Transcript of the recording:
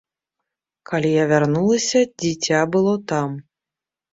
Калі я вярнулася, дзіця было там.